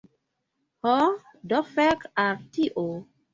Ho, do fek al tio